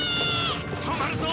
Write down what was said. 止まるぞ！